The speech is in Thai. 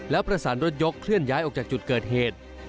แล้วประสานรถยกเคลื่อนย้ายออกจากจุดเกิดเหตุ